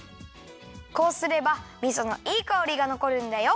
こうすればみそのいいかおりがのこるんだよ。